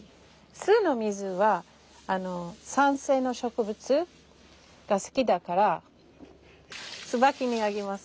酢の水は酸性の植物が好きだからツバキにあげます。